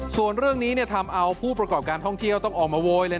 ส่วนเรื่องนี้ทำเอาผู้ประกอบการท่องเที่ยวต้องออกมาโวยเลย